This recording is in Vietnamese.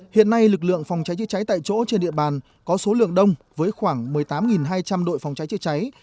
hiện nay lực lượng phòng cháy chữa cháy tại chỗ trên địa bàn có số lượng đông với khoảng một mươi tám hai trăm linh đội phòng cháy chữa cháy